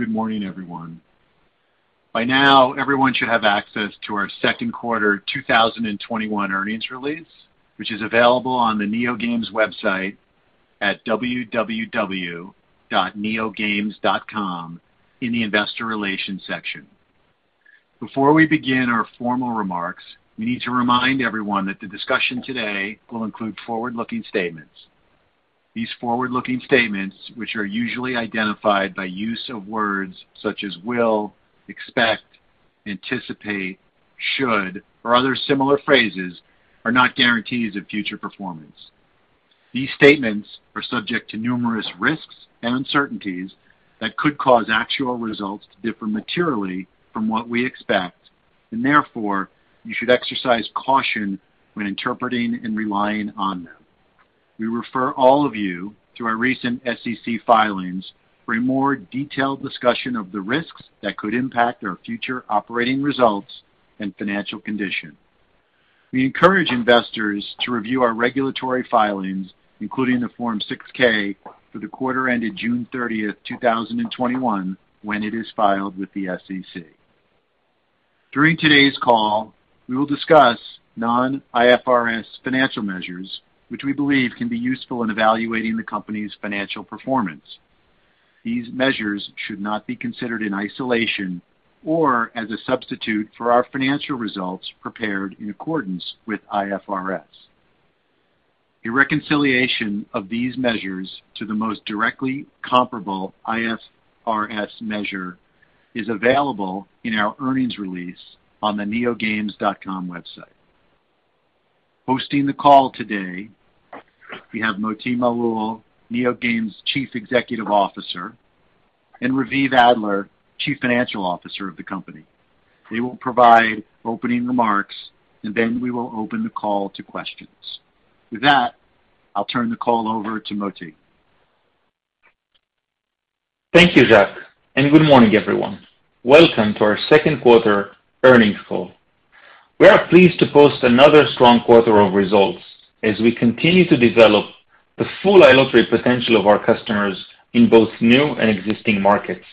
Good morning, everyone. By now, everyone should have access to our Second Quarter 2021 Earnings Release, which is available on the NeoGames website at www.neogames.com in the investor relations section. Before we begin our formal remarks, we need to remind everyone that the discussion today will include forward-looking statements. These forward-looking statements, which are usually identified by use of words such as will, expect, anticipate, should, or other similar phrases, are not guarantees of future performance. These statements are subject to numerous risks and uncertainties that could cause actual results to differ materially from what we expect, and therefore, you should exercise caution when interpreting and relying on them. We refer all of you to our recent SEC filings for a more detailed discussion of the risks that could impact our future operating results and financial condition. We encourage investors to review our regulatory filings, including the Form 6-K for the quarter ended June 30th, 2021, when it is filed with the SEC. During today's call, we will discuss non-IFRS financial measures which we believe can be useful in evaluating the company's financial performance. These measures should not be considered in isolation or as a substitute for our financial results prepared in accordance with IFRS. A reconciliation of these measures to the most directly comparable IFRS measure is available in our earnings release on the neogames.com website. Hosting the call today, we have Moti Malul, NeoGames' Chief Executive Officer, and Raviv Adler, Chief Financial Officer of the company. They will provide opening remarks, and then we will open the call to questions. With that, I'll turn the call over to Moti. Thank you, Jack. Good morning, everyone. Welcome to our second quarter earnings call. We are pleased to post another strong quarter of results as we continue to develop the full iLottery potential of our customers in both new and existing markets.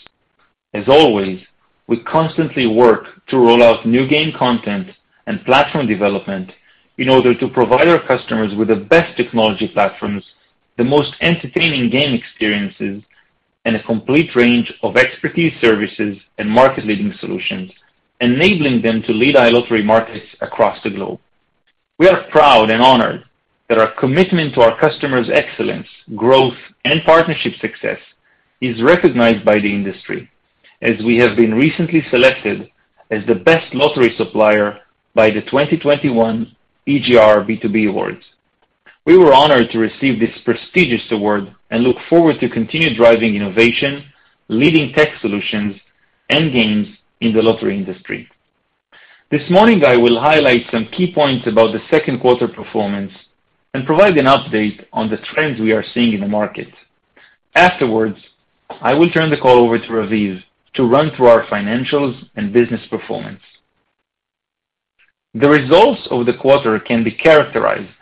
As always, we constantly work to roll out new game content and platform development in order to provide our customers with the best technology platforms, the most entertaining game experiences, and a complete range of expertise services and market-leading solutions, enabling them to lead iLottery markets across the globe. We are proud and honored that our commitment to our customers' excellence, growth, and partnership success is recognized by the industry, as we have been recently selected as the best lottery supplier by the 2021 EGR B2B Awards. We were honored to receive this prestigious award and look forward to continue driving innovation, leading tech solutions, and games in the lottery industry. This morning, I will highlight some key points about the second quarter performance and provide an update on the trends we are seeing in the market. Afterwards, I will turn the call over to Raviv to run through our financials and business performance. The results of the quarter can be characterized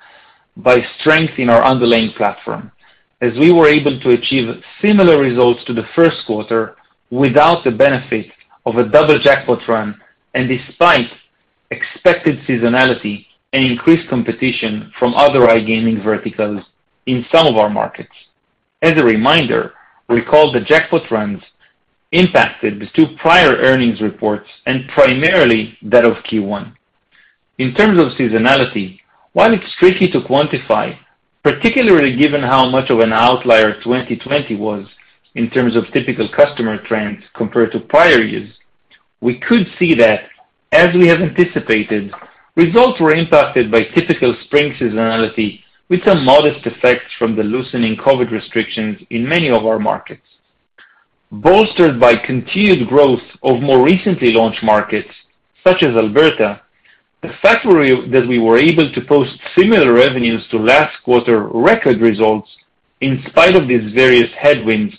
by strength in our underlying platform, as we were able to achieve similar results to the first quarter without the benefit of a double jackpot run, and despite expected seasonality and increased competition from other iGaming verticals in some of our markets. As a reminder, recall the jackpot runs impacted the two prior earnings reports, and primarily that of Q1. In terms of seasonality, while it's tricky to quantify, particularly given how much of an outlier 2020 was in terms of typical customer trends compared to prior years, we could see that, as we have anticipated, results were impacted by typical spring seasonality with some modest effects from the loosening COVID restrictions in many of our markets. Bolstered by continued growth of more recently launched markets, such as Alberta, the fact that we were able to post similar revenues to last quarter record results in spite of these various headwinds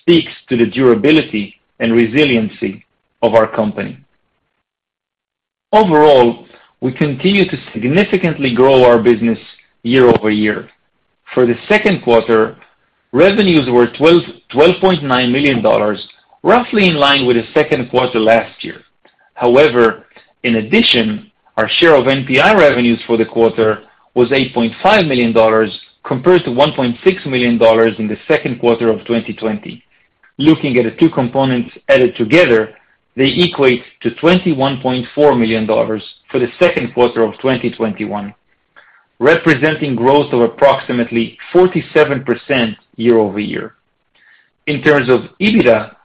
speaks to the durability and resiliency of our company. Overall, we continue to significantly grow our business year-over-year. For the second quarter, revenues were $12.9 million, roughly in line with the second quarter last year. In addition, our share of NPI revenues for the quarter was $8.5 million, compared to $1.6 million in the second quarter of 2020. Looking at the two components added together, they equate to $21.4 million for the second quarter of 2021, representing growth of approximately 47% year-over-year. In terms of EBITDA,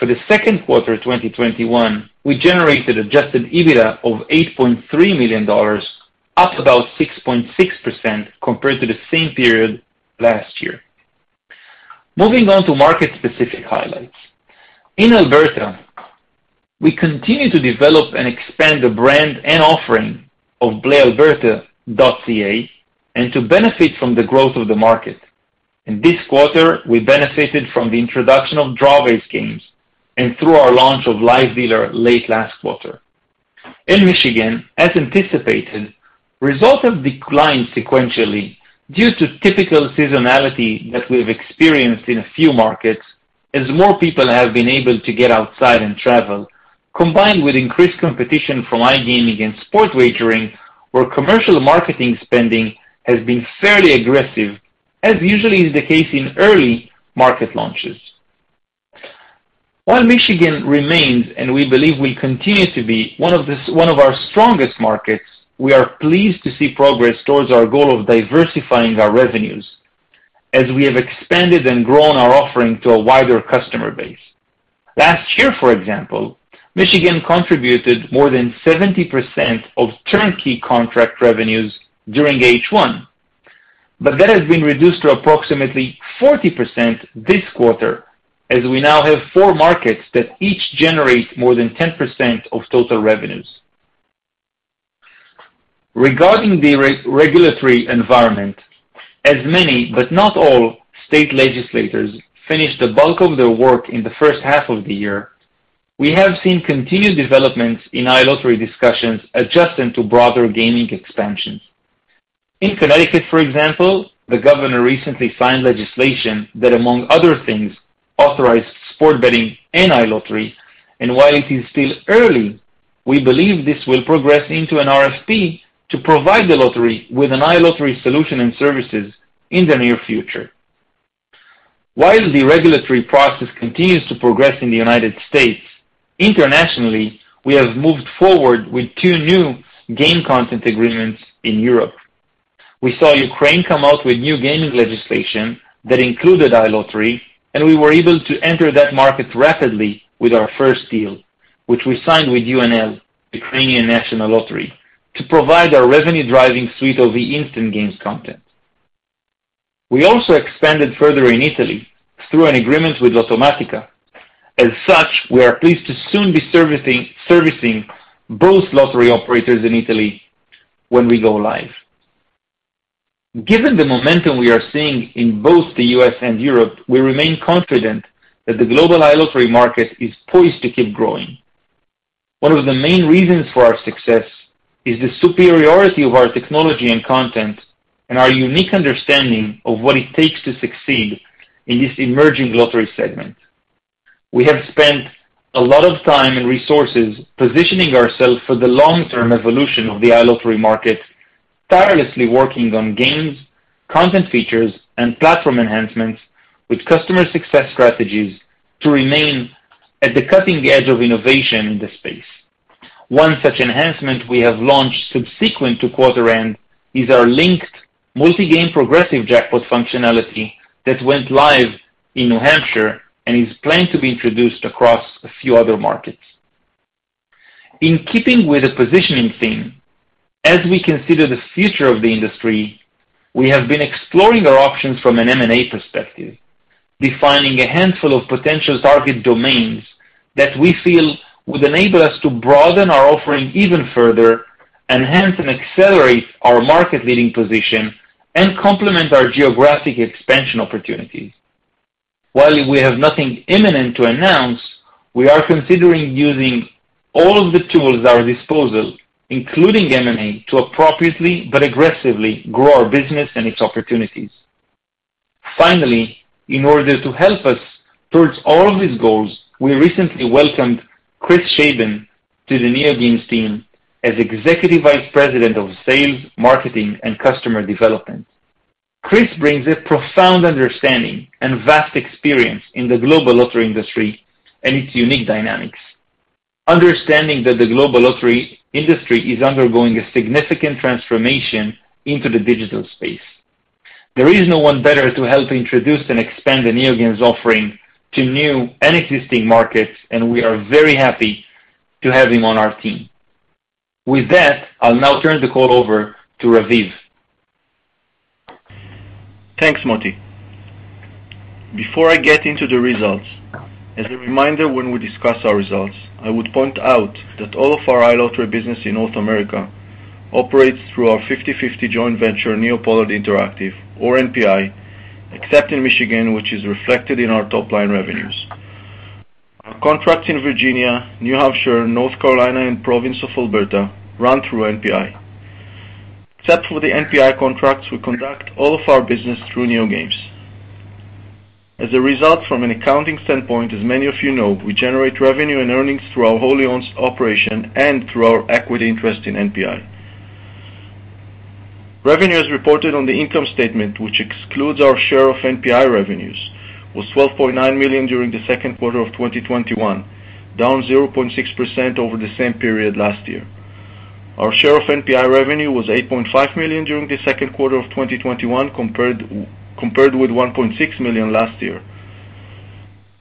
for the second quarter of 2021, we generated Adjusted EBITDA of $8.3 million, up about 6.6% compared to the same period last year. Moving on to market-specific highlights. In Alberta, we continue to develop and expand the brand and offering of playalberta.ca and to benefit from the growth of the market. In this quarter, we benefited from the introduction of draw-based games and through our launch of live dealer late last quarter. In Michigan, as anticipated, results have declined sequentially due to typical seasonality that we have experienced in a few markets as more people have been able to get outside and travel, combined with increased competition from iGaming and sports wagering, where commercial marketing spending has been fairly aggressive, as usually is the case in early market launches. While Michigan remains, and we believe will continue to be, one of our strongest markets, we are pleased to see progress towards our goal of diversifying our revenues as we have expanded and grown our offering to a wider customer base. Last year, for example, Michigan contributed more than 70% of turnkey contract revenues during H1. That has been reduced to approximately 40% this quarter, as we now have four markets that each generate more than 10% of total revenues. Regarding the regulatory environment, as many, but not all, state legislators finished the bulk of their work in the first half of the year. We have seen continued developments in iLottery discussions adjusting to broader gaming expansions. In Connecticut, for example, the governor recently signed legislation that, among other things, authorized sports betting and iLottery. While it is still early, we believe this will progress into an RFP to provide the lottery with an iLottery solution and services in the near future. While the regulatory process continues to progress in the United States, internationally, we have moved forward with two new game content agreements in Europe. We saw Ukraine come out with new gaming legislation that included iLottery, and we were able to enter that market rapidly with our first deal, which we signed with UNL, Ukrainian National Lottery, to provide our revenue-driving suite of the instant games content. We also expanded further in Italy through an agreement with Lottomatica. As such, we are pleased to soon be servicing both lottery operators in Italy when we go live. Given the momentum we are seeing in both the U.S. and Europe, we remain confident that the global iLottery market is poised to keep growing. One of the main reasons for our success is the superiority of our technology and content and our unique understanding of what it takes to succeed in this emerging lottery segment. We have spent a lot of time and resources positioning ourselves for the long-term evolution of the iLottery market, tirelessly working on games, content features, and platform enhancements with customer success strategies to remain at the cutting edge of innovation in this space. One such enhancement we have launched subsequent to quarter end is our linked multi-game progressive jackpot functionality that went live in New Hampshire and is planned to be introduced across a few other markets. In keeping with the positioning theme, as we consider the future of the industry, we have been exploring our options from an M&A perspective, defining a handful of potential target domains that we feel would enable us to broaden our offering even further, enhance and accelerate our market-leading position, and complement our geographic expansion opportunities. While we have nothing imminent to announce, we are considering using all of the tools at our disposal, including M&A, to appropriately but aggressively grow our business and its opportunities. Finally, in order to help us towards all of these goals, we recently welcomed Chris Shaban to the NeoGames team as Executive Vice President of Sales, Marketing, and Customer Development. Chris brings a profound understanding and vast experience in the global lottery industry and its unique dynamics. Understanding that the global lottery industry is undergoing a significant transformation into the digital space. There is no one better to help introduce and expand the NeoGames offering to new and existing markets, and we are very happy to have him on our team. With that, I'll now turn the call over to Raviv. Thanks, Moti. Before I get into the results, as a reminder, when we discuss our results, I would point out that all of our iLottery business in North America operates through our 50/50 joint venture, NeoPollard Interactive or NPI, except in Michigan, which is reflected in our top-line revenues. Our contracts in Virginia, New Hampshire, North Carolina, and Province of Alberta run through NPI. Except for the NPI contracts, we conduct all of our business through NeoGames. As a result, from an accounting standpoint, as many of you know, we generate revenue and earnings through our wholly-owned operation and through our equity interest in NPI. Revenues reported on the income statement, which excludes our share of NPI revenues, was $12.9 million during the second quarter of 2021, down 0.6% over the same period last year. Our share of NPI revenue was $8.5 million during the second quarter of 2021, compared with $1.6 million last year.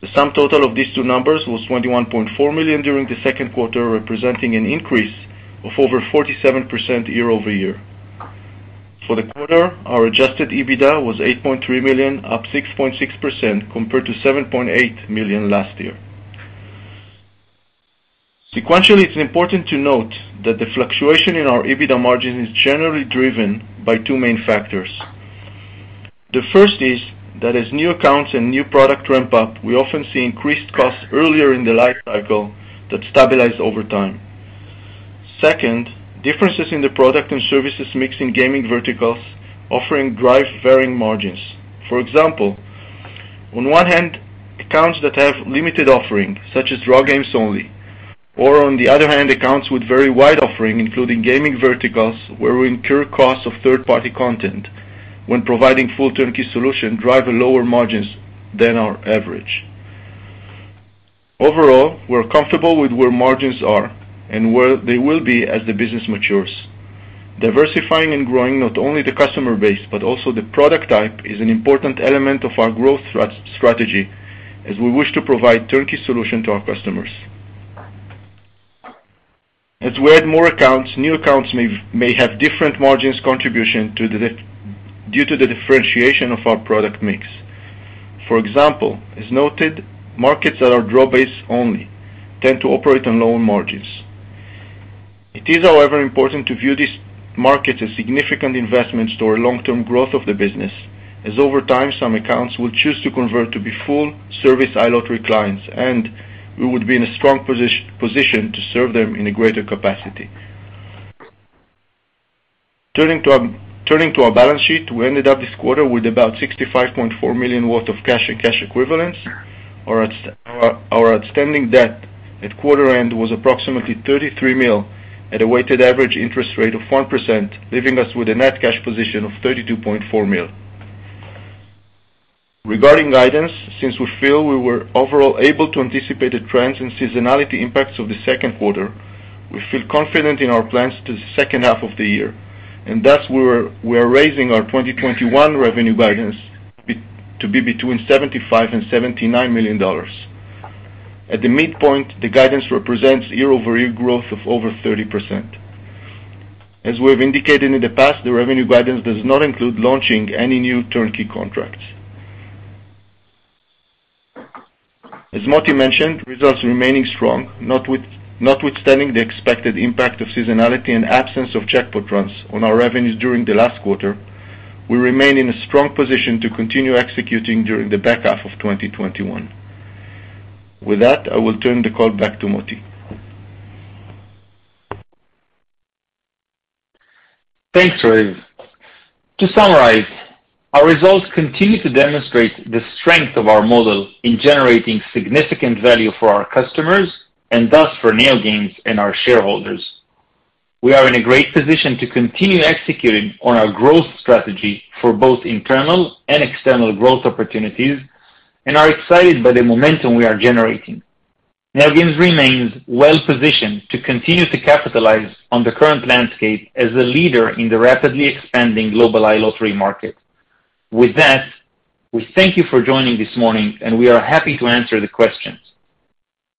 The sum total of these two numbers was $21.4 million during the second quarter, representing an increase of over 47% year-over-year. For the quarter, our Adjusted EBITDA was $8.3 million, up 6.6%, compared to $7.8 million last year. Sequentially, it's important to note that the fluctuation in our EBITDA margin is generally driven by two main factors. The first is that as new accounts and new product ramp up, we often see increased costs earlier in the life cycle that stabilize over time. Second, differences in the product and services mix in gaming verticals offering drive varying margins. For example, on one hand, accounts that have limited offering, such as draw games only or on the other hand, accounts with very wide offering, including gaming verticals, where we incur costs of third-party content when providing full turnkey solution drive lower margins than our average. Overall, we're comfortable with where margins are and where they will be as the business matures. Diversifying and growing not only the customer base but also the product type is an important element of our growth strategy, as we wish to provide turnkey solution to our customers. As we add more accounts, new accounts may have different margins contribution due to the differentiation of our product mix. For example, as noted, markets that are draw-based only tend to operate on lower margins. It is, however, important to view these markets as significant investments to our long-term growth of the business, as over time, some accounts will choose to convert to be full-service iLottery clients, and we would be in a strong position to serve them in a greater capacity. Turning to our balance sheet, we ended up this quarter with about $65.4 million worth of cash and cash equivalents. Our outstanding debt at quarter end was approximately $33 million at a weighted average interest rate of 1%, leaving us with a net cash position of $32.4 million Regarding guidance, since we feel we were overall able to anticipate the trends and seasonality impacts of the second quarter, we feel confident in our plans to the second half of the year and thus we are raising our 2021 revenue guidance to be between $75 million and $79 million. At the midpoint, the guidance represents year-over-year growth of over 30%. As we have indicated in the past, the revenue guidance does not include launching any new turnkey contracts. As Moti mentioned, results remaining strong, notwithstanding the expected impact of seasonality and absence of jackpot runs on our revenues during the last quarter, we remain in a strong position to continue executing during the back half of 2021. With that, I will turn the call back to Moti. Thanks, Raviv. To summarize, our results continue to demonstrate the strength of our model in generating significant value for our customers and thus for NeoGames and our shareholders. We are in a great position to continue executing on our growth strategy for both internal and external growth opportunities and are excited by the momentum we are generating. NeoGames remains well-positioned to continue to capitalize on the current landscape as a leader in the rapidly expanding global iLottery market. With that, we thank you for joining this morning and we are happy to answer the questions.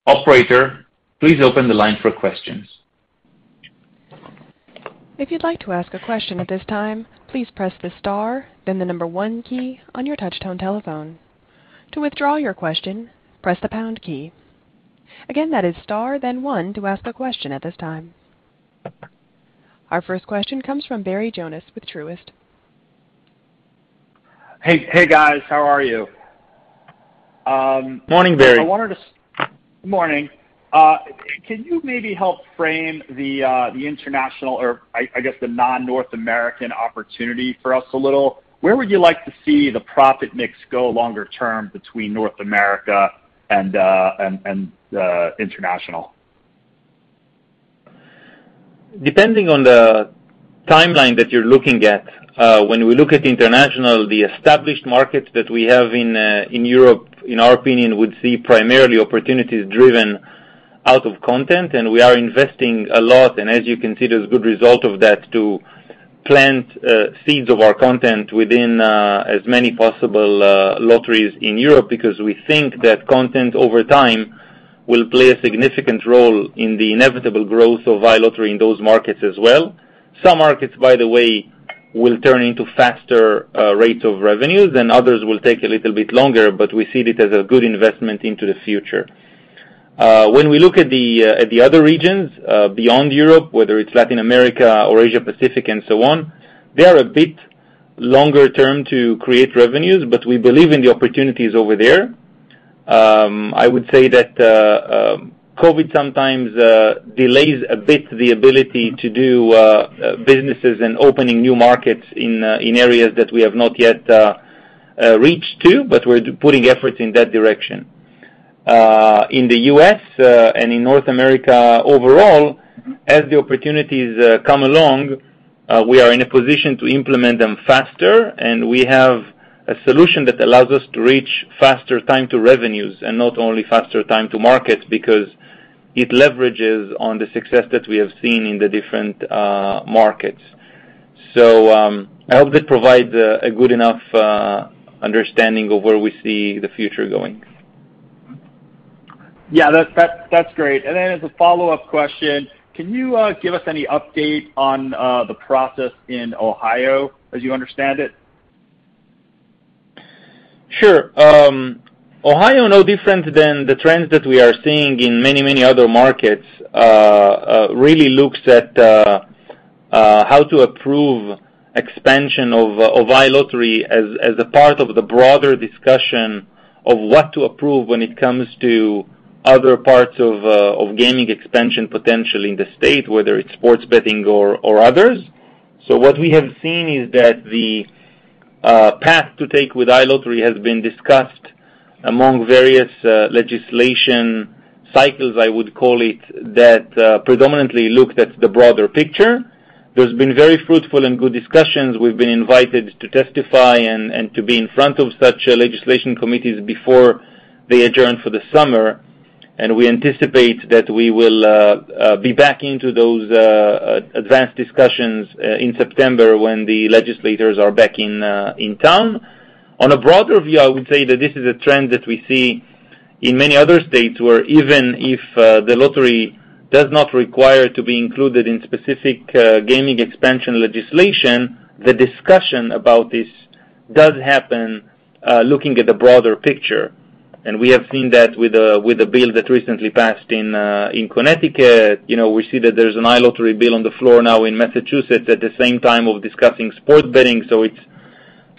Operator, please open the line for questions. If you'd like to ask a question at this time, please press the star and then the number one key on your touch tone telephone. To withdraw your question, press the pound key. Again, that is star then one to ask a question at this time. Our first question comes from Barry Jonas with Truist. Hey, guys. How are you? Morning, Barry. Good morning. Can you maybe help frame the international, or I guess the non-North American opportunity for us a little? Where would you like to see the profit mix go longer term between North America and international? Depending on the timeline that you're looking at, when we look at international, the established markets that we have in Europe, in our opinion, would see primarily opportunities driven out of content, and we are investing a lot, and as you can see, there's good result of that to plant seeds of our content within as many possible lotteries in Europe, because we think that content over time will play a significant role in the inevitable growth of iLottery in those markets as well. Some markets, by the way, will turn into faster rates of revenues, and others will take a little bit longer but we see it as a good investment into the future. When we look at the other regions beyond Europe, whether it's Latin America or Asia-Pacific and so on, they are a bit longer term to create revenues but we believe in the opportunities over there. I would say that COVID sometimes delays a bit the ability to do businesses and opening new markets in areas that we have not yet reached to, but we're putting efforts in that direction. In the U.S. and in North America overall, as the opportunities come along, we are in a position to implement them faster, and we have a solution that allows us to reach faster time to revenues and not only faster time to markets because it leverages on the success that we have seen in the different markets. I hope that provides a good enough understanding of where we see the future going. Yeah, that's great. As a follow-up question, can you give us any update on the process in Ohio as you understand it? Sure. Ohio, no different than the trends that we are seeing in many other markets, really looks at how to approve expansion of iLottery as a part of the broader discussion of what to approve when it comes to other parts of gaming expansion potential in the state, whether it's sports betting or others. What we have seen is that the path to take with iLottery has been discussed among various legislation cycles, I would call it, that predominantly looked at the broader picture. There's been very fruitful and good discussions. We've been invited to testify and to be in front of such legislation committees before they adjourn for the summer, and we anticipate that we will be back into those advanced discussions in September when the legislators are back in town. On a broader view, I would say that this is a trend that we see in many other states where even if the lottery does not require to be included in specific gaming expansion legislation, the discussion about this does happen looking at the broader picture. We have seen that with a bill that recently passed in Connecticut. We see that there's an iLottery bill on the floor now in Massachusetts at the same time of discussing sports betting. It's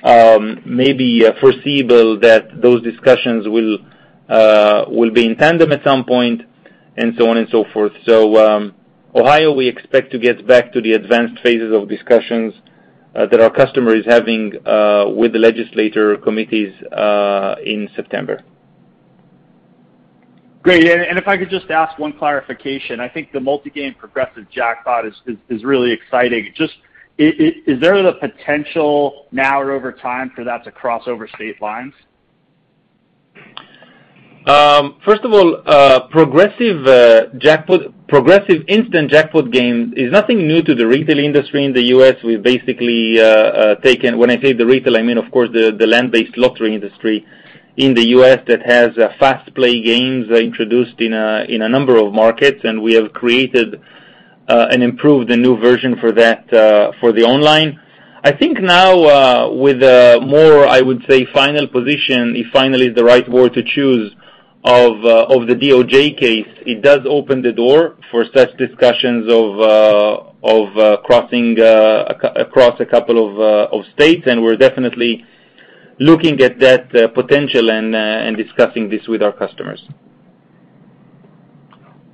maybe foreseeable that those discussions will be in tandem at some point and so on and so forth. Ohio, we expect to get back to the advanced phases of discussions that our customer is having with the legislator committees in September. Great. If I could just ask one clarification. I think the multi-game progressive jackpot is really exciting. Just, is there the potential now or over time for that to cross over state lines? First of all, progressive instant jackpot game is nothing new to the retail industry in the U.S. When I say the retail, I mean, of course, the land-based lottery industry in the U.S. that has Fast Play games introduced in a number of markets, and we have created and improved a new version for the online. I think now, with a more, I would say, final position, if final is the right word to choose, of the DOJ case, it does open the door for such discussions of crossing across a couple of states, and we're definitely looking at that potential and discussing this with our customers.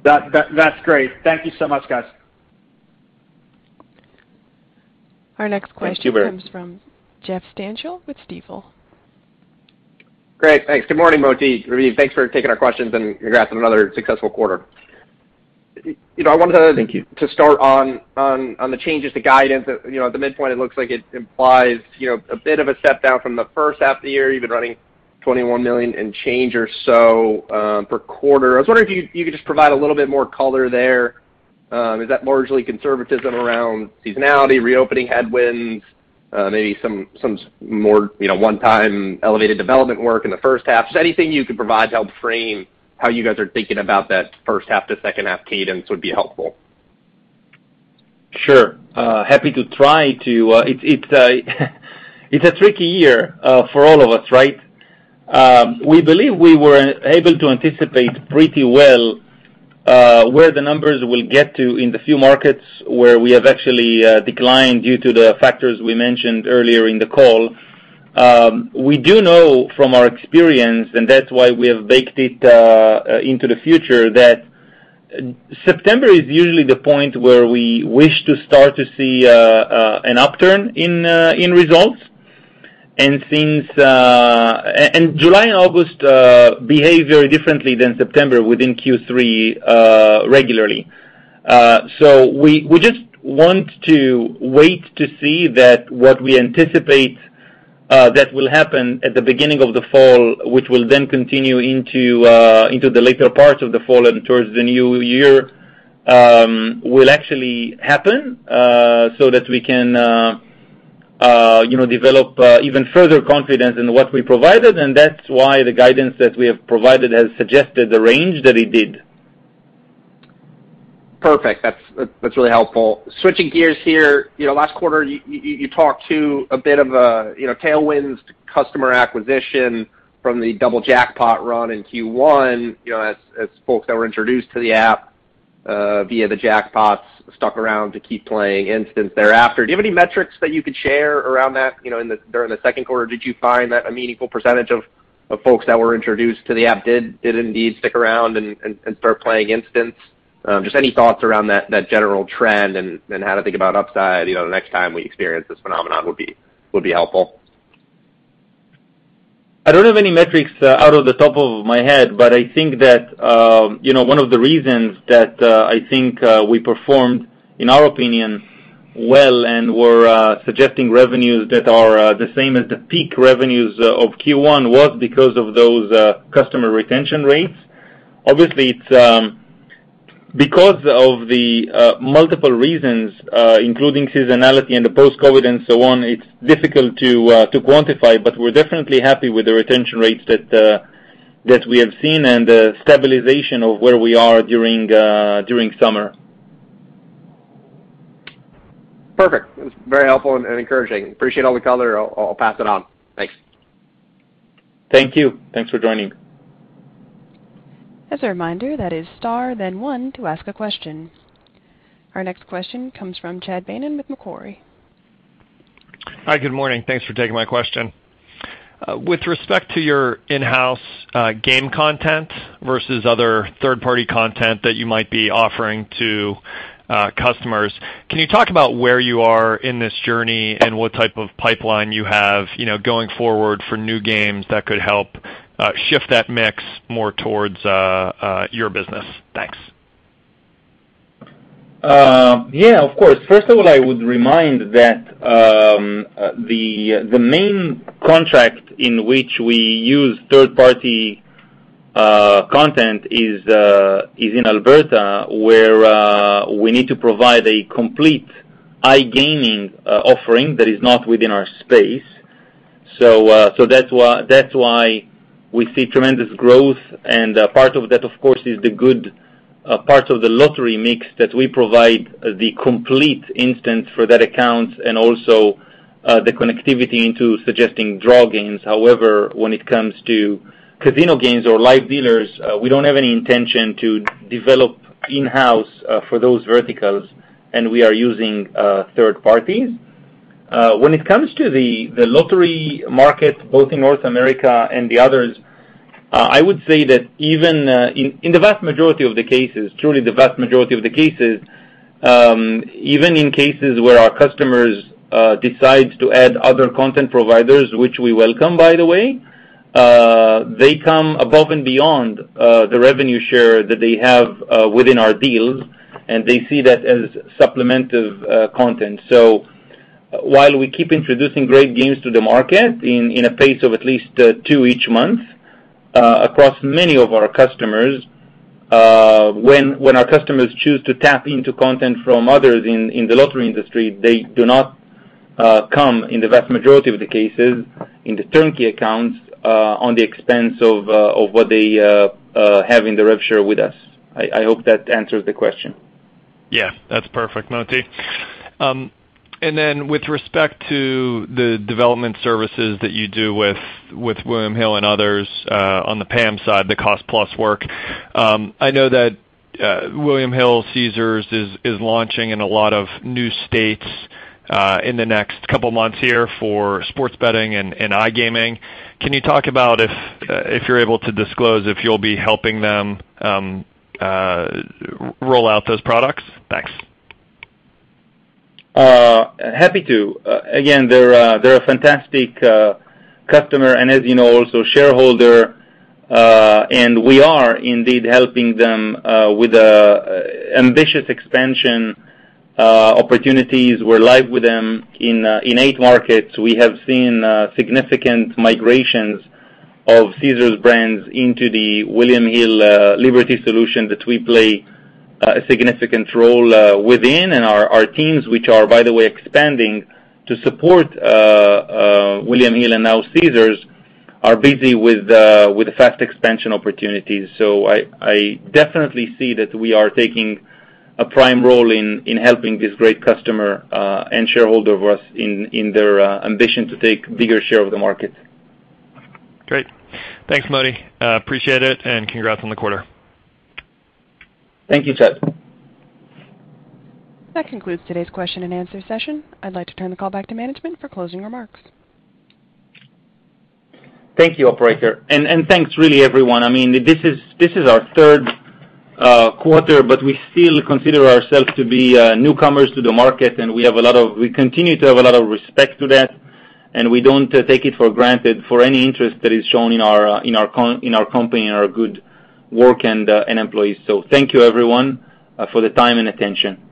That's great. Thank you so much, guys. Our next question comes from Jeff Stantial with Stifel. Great. Thanks. Good morning, Moti, Raviv. Thanks for taking our questions and congrats on another successful quarter. Thank you. I wanted to start on the changes to guidance. At the midpoint, it looks like it implies a bit of a step down from the first half of the year. You've been running $21 million and change or so per quarter. I was wondering if you could just provide a little bit more color there. Is that largely conservatism around seasonality, reopening headwinds, maybe some more one-time elevated development work in the first half? Just anything you could provide to help frame how you guys are thinking about that first half to second half cadence would be helpful. Sure. Happy to try to. It's a tricky year for all of us, right? We believe we were able to anticipate pretty well where the numbers will get to in the few markets where we have actually declined due to the factors we mentioned earlier in the call. We do know from our experience, and that's why we have baked it into the future, that September is usually the point where we wish to start to see an upturn in results. July and August behave very differently than September within Q3 regularly. We just want to wait to see that what we anticipate that will happen at the beginning of the fall which will then continue into the later parts of the fall and towards the new year, will actually happen, so that we can develop even further confidence in what we provided, and that's why the guidance that we have provided has suggested the range that it did. Perfect. That is really helpful. Switching gears here, last quarter, you talked to a bit of a tailwinds to customer acquisition from the double jackpot run in Q1, as folks that were introduced to the app via the jackpots stuck around to keep playing instants thereafter. Do you have any metrics that you could share around that during the second quarter? Did you find that a meaningful percentage of folks that were introduced to the app did indeed stick around and start playing instants? Just any thoughts around that general trend and how to think about upside the next time we experience this phenomenon would be helpful. I don't have any metrics out of the top of my head, but I think that one of the reasons that I think we performed, in our opinion, well and were suggesting revenues that are the same as the peak revenues of Q1 was because of those customer retention rates. Obviously, because of the multiple reasons, including seasonality and the post-COVID and so on, it's difficult to quantify but we're definitely happy with the retention rates that we have seen and the stabilization of where we are during summer. Perfect. That's very helpful and encouraging. Appreciate all the color. I'll pass it on. Thanks. Thank you. Thanks for joining. As a reminder, that is star, then one to ask a question. Our next question comes from Chad Beynon with Macquarie. Hi, good morning. Thanks for taking my question. With respect to your in-house game content versus other third-party content that you might be offering to customers, can you talk about where you are in this journey and what type of pipeline you have going forward for new games that could help shift that mix more towards your business? Thanks. Yeah, of course. First of all, I would remind that the main contract in which we use third-party content is in Alberta, where we need to provide a complete iGaming offering that is not within our space. That's why we see tremendous growth, and part of that, of course, is the good part of the lottery mix that we provide the complete instant games for that account, and also the connectivity into suggesting draw-based games. However, when it comes to casino games or live dealer, we don't have any intention to develop in-house for those verticals and we are using third parties. When it comes to the lottery market, both in North America and the others, I would say that even in the vast majority of the cases, truly the vast majority of the cases, even in cases where our customers decide to add other content providers which we welcome, by the way, they come above and beyond the rev share that they have within our deals, and they see that as supplementive content. While we keep introducing great games to the market in a pace of at least two each month, across many of our customers, when our customers choose to tap into content from others in the lottery industry, they do not come, in the vast majority of the cases, in the turnkey accounts on the expense of what they have in the rev share with us. I hope that answers the question. Yeah, that's perfect, Moti. With respect to the development services that you do with William Hill and others on the PAM side, the cost-plus work, I know that William Hill Caesars is launching in a lot of new states in the next two months here for sports betting and iGaming. Can you talk about, if you're able to disclose, if you'll be helping them roll out those products? Thanks. Happy to. Again, they're a fantastic customer, and as you know, also shareholder. We are indeed helping them with ambitious expansion opportunities. We're live with them in eight markets. We have seen significant migrations of Caesars brands into the William Hill Liberty solution that we play a significant role within, and our teams, which are, by the way, expanding to support William Hill and now Caesars, are busy with the fast expansion opportunities. I definitely see that we are taking a prime role in helping this great customer and shareholder of ours in their ambition to take bigger share of the market. Great. Thanks, Moti. Appreciate it. Congrats on the quarter. Thank you, Chad. That concludes today's question-and-answer session. I'd like to turn the call back to management for closing remarks. Thank you, operator. Thanks, really, everyone. This is our third quarter, but we still consider ourselves to be newcomers to the market. We continue to have a lot of respect to that. We don't take it for granted for any interest that is shown in our company and our good work and employees. Thank you, everyone, for the time and attention.